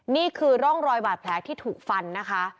นี่คือร่องรอยบาดแผลที่ถูกฟันนะคะ